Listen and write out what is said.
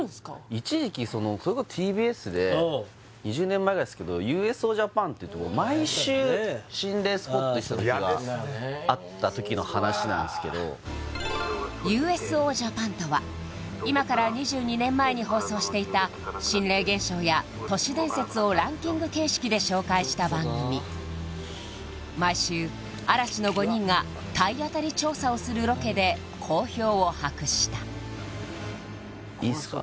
一時期それこそＴＢＳで２０年前ぐらいっすけどっていって毎週心霊スポット行ってた時があった時の話なんですけど「ＵＳＯ！？ジャパン」とは今から２２年前に放送していた心霊現象や都市伝説をランキング形式で紹介した番組毎週嵐の５人が体当たり調査をするロケで好評を博したいいっすか？